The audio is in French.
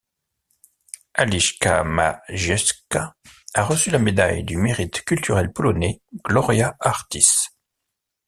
Alicja Majewska a reçu la médaille du Mérite culturel polonais Gloria Artis.